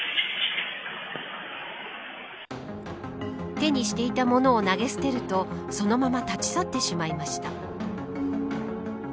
手にしたものを投げ捨てるとそのまま立ち去ってしまいました。